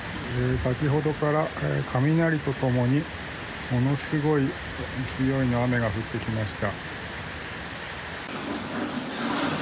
先ほどから雷と共にものすごい勢いの雨が降ってきました。